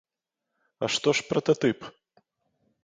А што ж прататып?